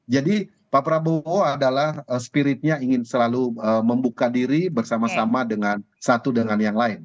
jadi pak prabowo adalah spiritnya ingin selalu membuka diri bersama sama dengan satu dengan yang lain